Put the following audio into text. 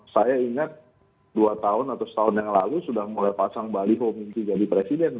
saya ingat dua tahun atau setahun yang lalu sudah mulai pasang baliho mimpi jadi presiden